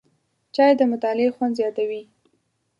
چای د مطالعې خوند زیاتوي